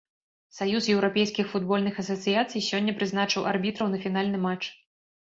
Саюз еўрапейскіх футбольных асацыяцый сёння прызначыў арбітраў на фінальны матч.